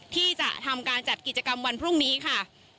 ที่จะทำการจัดกิจกรรมวันพรุ่งนี้ค่ะ